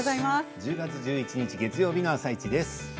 １０月１１日、月曜日の「あさイチ」です。